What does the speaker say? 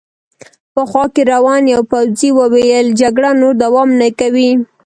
په خوا کې روان یوه پوځي وویل: جګړه نور دوام نه کوي.